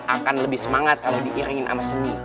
akan lebih semangat kalau diiringin sama seni